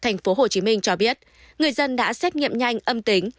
thành phố hồ chí minh cho biết người dân đã xét nghiệm nhanh âm tính